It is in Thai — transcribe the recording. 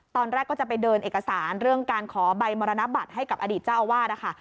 ตอนแรกก็จะไปเดินเอกสารเรื่องการขอใบมรณบัตรให้กับอดีตเจ้าอาวาสนะคะ